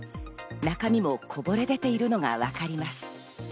中身もこぼれ出ているのがわかります。